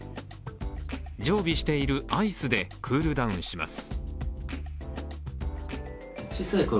常備しているアイスでクールダウンします。